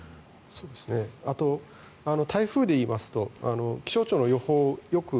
あと、台風でいいますと気象庁の予報よく